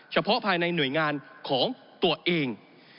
เฉพาะภายในหน่วยงานของตัวเอง